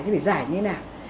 thì phải giải như thế nào